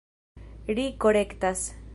Ri korektas.